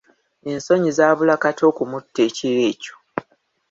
Ensonyi zaabula kata okumutta ekiro ekyo.